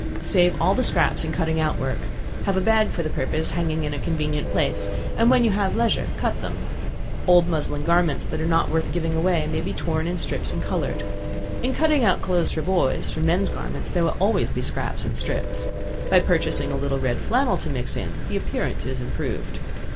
Save all the scraps in cutting out work; have a bag for the purpose hanging in a convenient place, and when you have leisure cut them. Old muslin garments that are not worth giving away, may be torn in strips and colored. In cutting out clothes for boys, from men's garments, there will always be scraps and strips. By purchasing a little red flannel to mix in, the appearance is improved.